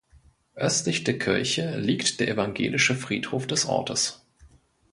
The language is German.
Östlich der Kirche liegt der evangelische Friedhof des Ortes.